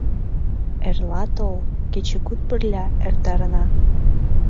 Эрла тол, кечыгут пырля эртарена.